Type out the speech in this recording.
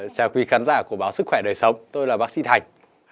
chào quý khán giả của báo sức khỏe đời sống tôi là bác sĩ thành